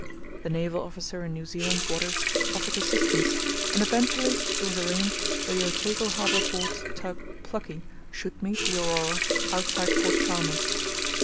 The naval officer in New Zealand waters offered assistance, and eventually it was arranged that the Otago Harbour Board's tug Plucky should meet the Aurora outside Port Chalmers.